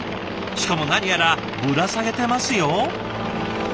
しかも何やらぶら下げてますよ。